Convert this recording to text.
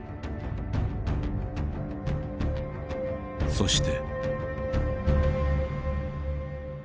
「そして」。